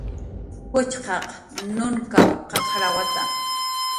Juchqaq nunkw qaqrawata